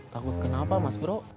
takut kenapa mas bro